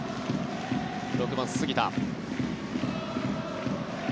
６番、杉田。